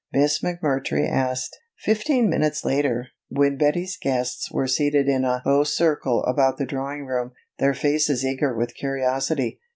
Miss McMurtry asked, fifteen minutes later, when Betty's guests were seated in a close circle about the drawing room, their faces eager with curiosity.